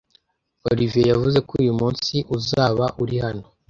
Olivier yavuze ko uyu munsi uzaba uri hano.